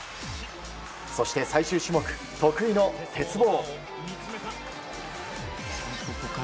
そして、最終種目得意の鉄棒。